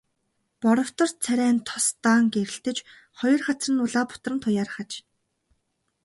Боровтор царай нь тос даан гэрэлтэж, хоёр хацар нь улаа бутран туяарах аж.